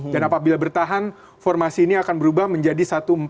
dan apabila bertahan formasi ini akan berubah menjadi satu empat empat dua